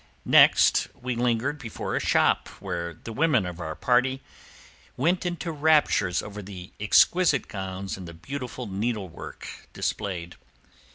Next we lingered before a shop where the women of our party went into raptures over the exquisite gowns and the beautiful needlework displayed.